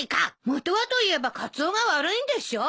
本はといえばカツオが悪いんでしょ。